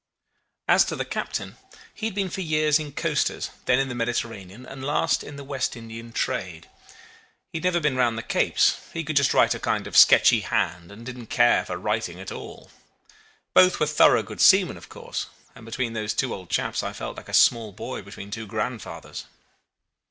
"As to the captain, he had been for years in coasters, then in the Mediterranean, and last in the West Indian trade. He had never been round the Capes. He could just write a kind of sketchy hand, and didn't care for writing at all. Both were thorough good seamen of course, and between those two old chaps I felt like a small boy between two grandfathers.